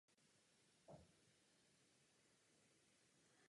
Myšlenka založit v Litovli střední školu se poprvé objevila více než před sto lety.